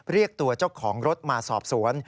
เรียกตัวเจ้าของรถมาสอบสวน